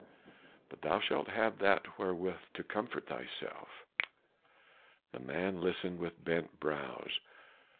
But thou shalt have that wherewith to comfort thyself." The man listened with bent brows.